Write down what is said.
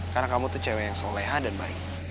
karena kamu tuh cewek yang soleha dan baik